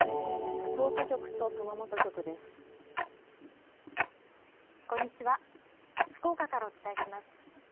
福岡からお伝えします。